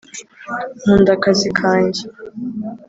nkunda akazi kanjye